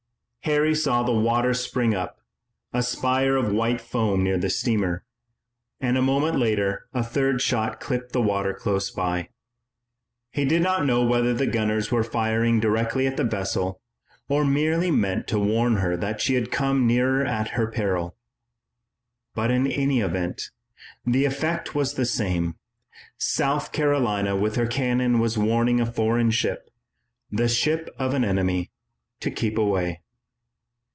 Harry saw the water spring up, a spire of white foam, near the steamer, and a moment later a third shot clipped the water close by. He did not know whether the gunners were firing directly at the vessel or merely meant to warn her that she came nearer at her peril, but in any event, the effect was the same. South Carolina with her cannon was warning a foreign ship, the ship of an enemy, to keep away.